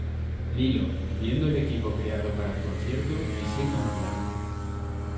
Lilo, viendo el equipo creado para el concierto, diseña un plan.